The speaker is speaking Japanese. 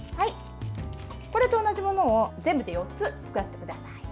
これと同じものを全部で４つ作ってください。